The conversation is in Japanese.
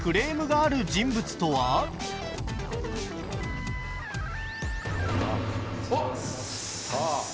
あっ！